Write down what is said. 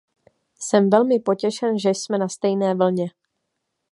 Jsem velmi potěšen, že jsme na stejné vlně.